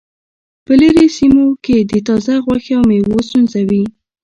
په لرې سیمو کې د تازه غوښې او میوو ستونزه وي